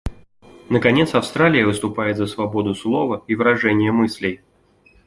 Наконец, Австралия выступает за свободу слова и выражения мыслей.